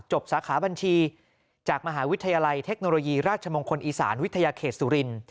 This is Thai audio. สาขาบัญชีจากมหาวิทยาลัยเทคโนโลยีราชมงคลอีสานวิทยาเขตสุรินทร์